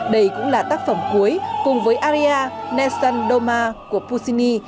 đây cũng là tác phẩm cuối cùng với aria nessun doma của puccini